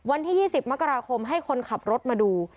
วันที่๒๐มกราคมให้คนขับรถมาดู